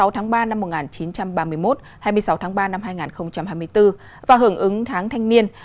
hai mươi tháng ba năm một nghìn chín trăm ba mươi một hai mươi sáu tháng ba năm hai nghìn hai mươi bốn và hưởng ứng tháng thanh niên